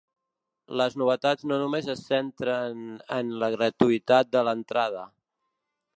Les novetats no només es centren en la gratuïtat de l’entrada.